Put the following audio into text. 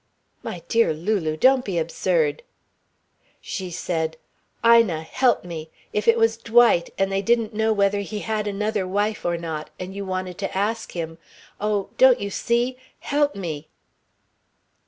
"My dear Lulu, don't be absurd." She said: "Ina. Help me. If it was Dwight and they didn't know whether he had another wife, or not, and you wanted to ask him oh, don't you see? Help me."